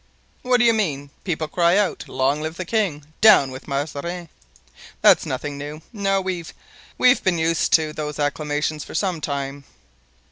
"What do you mean? People cry out, 'Long live the king! down with Mazarin!' That's nothing new; no, we've been used to those acclamations for some time."